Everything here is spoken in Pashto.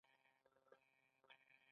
د بیو ټیټېدل هم ورسره ملګري وي